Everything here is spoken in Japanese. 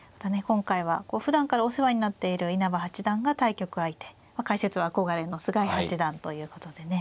今回はふだんからお世話になっている稲葉八段が対局相手解説は憧れの菅井八段ということでね。